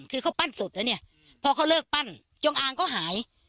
คือเขาปั้นศพแล้วเนี่ยพอเขาเลิกปั้นจงอางก็หาย